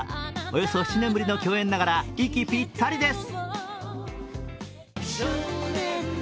およそ７年ぶりの共演ながら息ぴったりです。